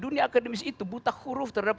dunia akademis itu buta huruf terhadap